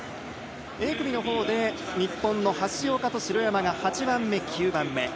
Ａ組のほうで日本の橋岡と城山が８番目、９番目。